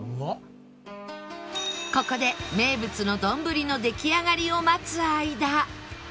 ここで名物の丼の出来上がりを待つ間